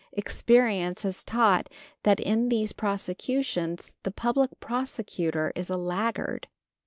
Experience has taught that in these prosecutions the public prosecutor is a laggard.